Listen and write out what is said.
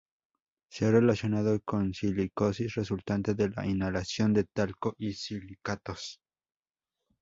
Se ha relacionado con silicosis resultante de la inhalación de talco y silicatos.